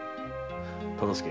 忠相。